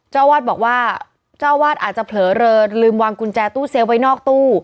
เจ้าอาวาสบอกว่าเจ้าอาวาสอาจจะเผลอเลอลืมวางกุญแจตู้เซฟไว้นอกตู้